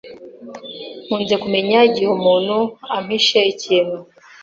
Nkunze kumenya igihe umuntu ampishe ikintu.